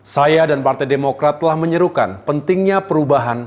saya dan partai demokrat telah menyerukan pentingnya perubahan